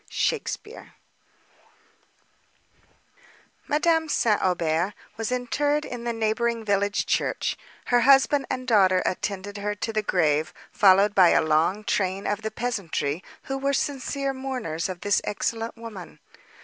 SHAKESPEARE Madame St. Aubert was interred in the neighbouring village church; her husband and daughter attended her to the grave, followed by a long train of the peasantry, who were sincere mourners of this excellent woman.